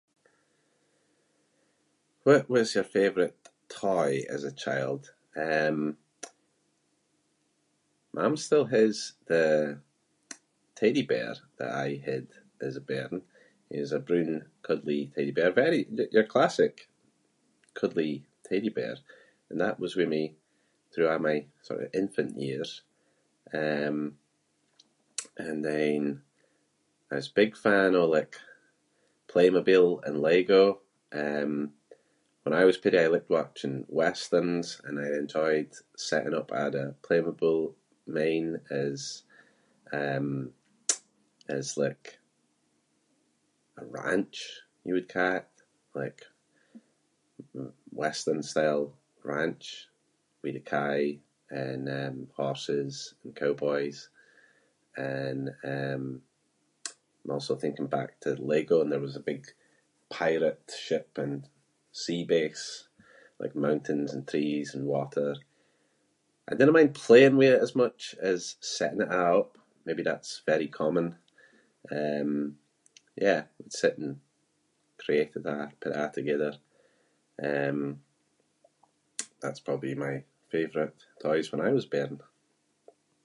What was your favourite toy as a child? Eh, mam still has the teddy bear that I had as a bairn. He’s a broon cuddly teddy bear- very- y- your classic cuddly teddy bear. And that was with me throughout all my sort of infant years. Um, and then I was a big fan of like Playmobil and Lego. Um, when I was peerie I liked watching westerns and I enjoyed setting up a' the Playmobil men as, um, as like a ranch you would ca’ it- like western-style ranch with the kye and, um, horses and cowboys. And um, I’m also thinking back to Lego and there was a big pirate ship and sea base- like mountains and trees and water. I dinna mind playing with it as much as setting it a’ up. Maybe that’s very common. Um, yeah, I would sit and create a’ that- put that the-gither. Um, that’s probably my favourite toys when I was a bairn.